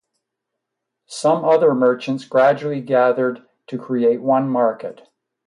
Some other merchants gradually gathered to create one market.